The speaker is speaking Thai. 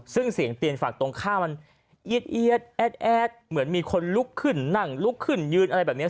ซึ่งเสียงเตียนฝั่งตรงข้ามมันเอียดแอดเหมือนมีคนลุกขึ้นนั่งลุกขึ้นยืนอะไรแบบนี้